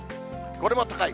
これも高い。